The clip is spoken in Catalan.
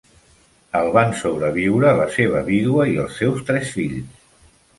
El van sobreviure la seva vídua i els seus tres fills.